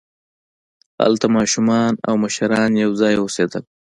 هلته ماشومان او مشران یوځای اوسېدل.